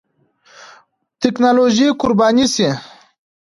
ټېکنالوژي قرباني شي.